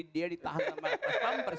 dia ditahan sama pas pampres